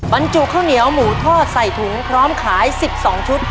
บรรจุข้าวเหนียวหมูทอดใส่ถุงพร้อมขาย๑๒ชุด